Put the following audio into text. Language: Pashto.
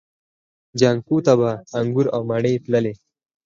جانکو به انګور او مڼې تللې.